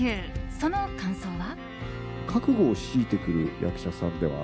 その感想は。